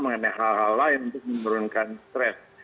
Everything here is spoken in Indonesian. mengenai hal hal lain untuk menurunkan stres